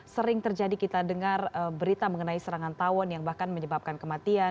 sering terjadi kita dengar berita mengenai serangan tawon yang bahkan menyebabkan kematian